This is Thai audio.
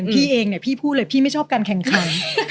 พี่เองเนี่ยพี่พูดเลยพี่ไม่ชอบการแข่งขัน